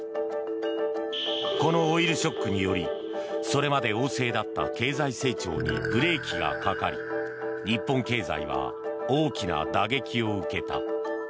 このオイルショックによりそれまで旺盛だった経済成長にブレーキがかかり日本経済は大きな打撃を受けた。